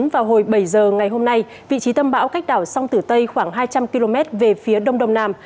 vào hồi bảy giờ ngày hôm nay vị trí tâm bão cách đảo sông tử tây khoảng hai trăm linh km về phía đông đông nam